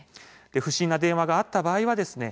不審な電話があった場合はですね